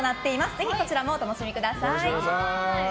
ぜひこちらもお楽しみください。